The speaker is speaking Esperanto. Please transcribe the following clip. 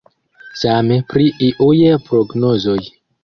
Same pri iuj prognozoj.